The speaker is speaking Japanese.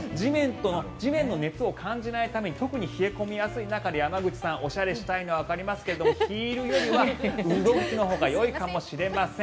地面の熱を感じないため特に冷え込みやすい中で山口さん、おしゃれしたいのはわかりますけどヒールよりは運動靴のほうがよいかもしれません。